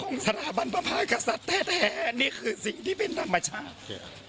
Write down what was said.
สถาบันพระมหากษัตริย์แท้นี่คือสิ่งที่เป็นธรรมชาติ